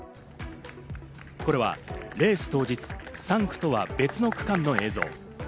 これはレース当日、３区とは別の区間の映像。